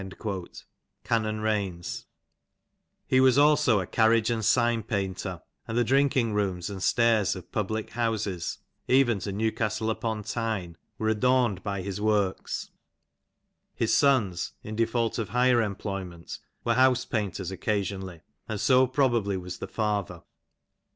Ho was also a carriage and sign painter, and the drinking rooms and stairs of public houses, even to Newcastle 46 ON THE SOUTH LANCASHIRE DIALECT. upon Tyne, were adorned by his works. His sons, in default of higher employment^ were house painters occasionally, and so pro bably was the father.